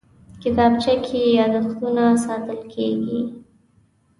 کتابچه کې یادښتونه ساتل کېږي